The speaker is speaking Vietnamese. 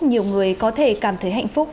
nhiều người có thể cảm thấy hạnh phúc